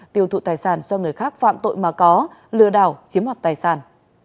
tiêu thụ tài sản do người khác phạm tội mà có lừa đảo chiếm hoạt tài sản